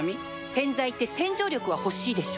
洗剤って洗浄力は欲しいでしょ